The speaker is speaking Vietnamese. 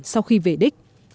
sau khi về đích